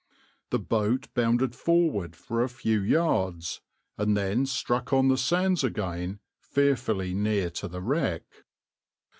The boat bounded forward for a few yards and then struck on the sands again fearfully near to the wreck.